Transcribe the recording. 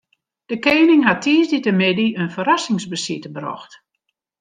De kening hat tiisdeitemiddei in ferrassingsbesite brocht.